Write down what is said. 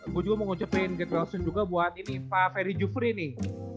gue juga mau ngucapin gitu langsung juga buat ini pak ferry jufri nih